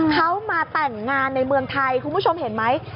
เขามาแต่งงานในเมืองไทยคุณผู้ชมเห็นไหม